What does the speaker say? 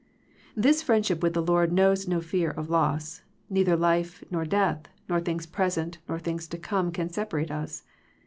This friendship with the Lord knows no fear of loss; neither life, nor death, nor things present, nor things to come can separate us.